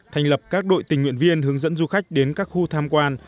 thành lập các đội tình nguyện viên hướng dẫn du khách đến các khu tham quan